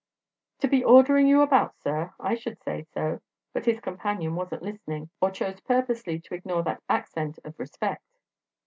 "To be ordering you about, sir? I should say so!" But his companion wasn't listening or chose purposely to ignore that accent of respect.